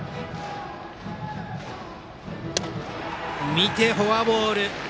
見てフォアボール。